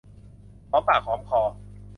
หอมปากหอมคอ